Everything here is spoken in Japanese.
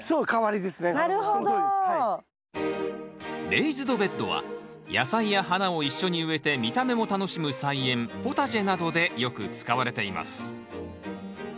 レイズドベッドは野菜や花を一緒に植えて見た目も楽しむ菜園ポタジェなどでよく使われています。